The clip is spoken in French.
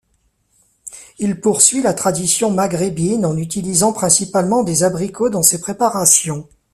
Il poursuit la tradition maghrébine en utilisant principalement des abricots dans ses préparations.